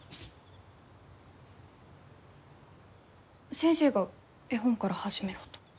先生が絵本から始めろと。